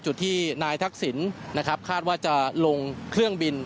จุดที่นายทักษิณนะครับคาดว่าจะลงเครื่องบิน